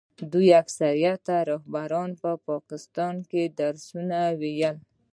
دوی اکثرو رهبرانو په پاکستان کې درسونه ویلي.